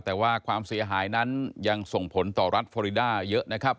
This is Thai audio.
แต่ว่าความเสียหายนั้นยังส่งผลต่อรัฐฟอริดาเยอะนะครับ